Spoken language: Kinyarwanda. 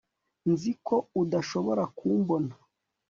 nzi ko udashobora kumbona